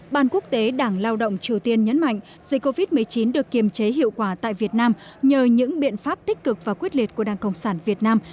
ban quốc tế đảng lao động triều tiên nhấn mạnh dịch covid một mươi chín được kiềm chế hiệu quả tại việt nam nhờ những biện pháp tích cực và quyết liệt của đảng cộng sản việt nam